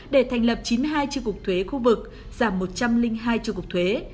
để thành lập chín mươi hai tri cục thuế khu vực giảm một trăm linh hai tri cục thuế